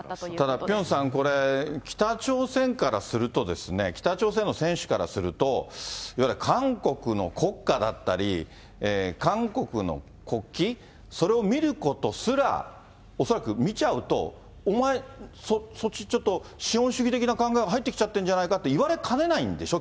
ただ、ピョンさんこれ、北朝鮮からするとですね、北朝鮮の選手からすると、いわゆる韓国の国家だったり、韓国の国旗、それを見ることすら、恐らく見ちゃうと、お前、そっちちょっと、資本主義的な考え入ってきちゃってるんじゃないかって言われかねないんでしょ？